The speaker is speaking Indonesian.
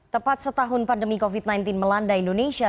tepat setahun pandemi covid sembilan belas melanda indonesia